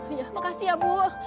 ya makasih ya bu